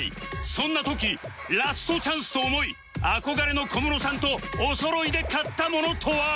そんな時ラストチャンスと思い憧れの小室さんとおそろいで買ったものとは？